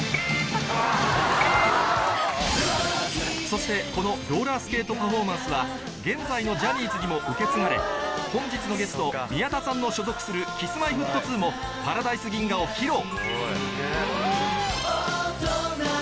そしてこのローラースケートパフォーマンスは現在のジャニーズにも受け継がれ本日のゲスト宮田さんの所属する Ｋｉｓ ー Ｍｙ−Ｆｔ２ も『パラダイス銀河』を披露